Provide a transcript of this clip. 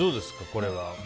これは。